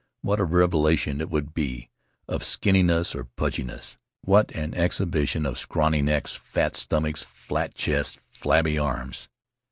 What a revelation it would be of skinniness or pudginess! What an exhibition of scrawny necks, fat stomachs, flat chests, flabby arms!